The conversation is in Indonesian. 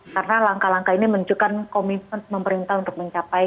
karena langkah langkah ini menunjukkan komitmen pemerintah untuk mencapai